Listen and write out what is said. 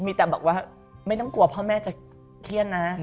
มีแต่บอกว่าไม่ต้องกลัวพ่อแม่จะเครียดนะ